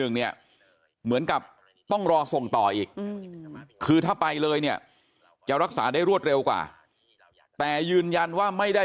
เนี่ยเหมือนกับต้องรอส่งต่ออีกคือถ้าไปเลยเนี่ยจะรักษาได้รวดเร็วกว่าแต่ยืนยันว่าไม่ได้